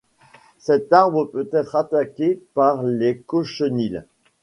Cet arbre peut être attaqué par les cochenilles.